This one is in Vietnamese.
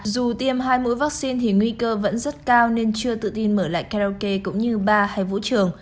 dù tiêm hai mũi vaccine thì nguy cơ vẫn rất cao nên chưa tự tin mở lại karaoke cũng như ba hay vũ trường